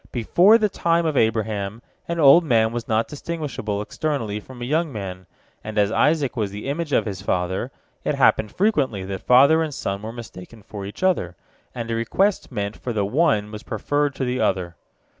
Before the time of Abraham an old man was not distinguishable externally from a young man, and as Isaac was the image of his father, it happened frequently that father and son were mistaken for each other, and a request meant for the one was preferred to the other.